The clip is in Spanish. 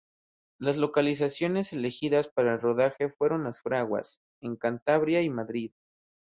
Las localizaciones elegidas para el rodaje fueron Las Fraguas, en Cantabria, y Madrid.